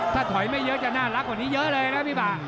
ถ้าถอยไม่เยอะจะน่ารักกว่านี้เยอะเลยนะพี่บ่า